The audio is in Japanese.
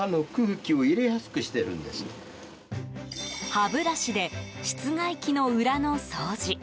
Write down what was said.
歯ブラシで室外機の裏の掃除。